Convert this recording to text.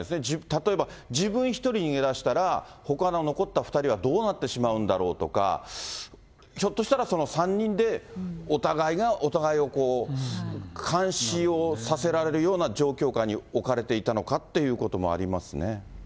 例えば自分１人逃げ出したら、ほかの残った２人はどうなってしまうんだろうとか、ひょっとしたら、３人でお互いがお互いを監視をさせられるような状況下に置かれていたのかっていうこともありますね。